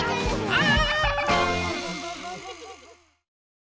あ！